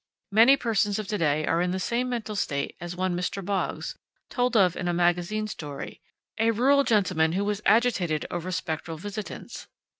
Many persons of to day are in the same mental state as one Mr. Boggs, told of in a magazine story, a rural gentleman who was agitated over spectral visitants.